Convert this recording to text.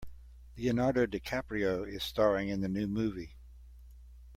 Leonardo DiCaprio is staring in the new movie.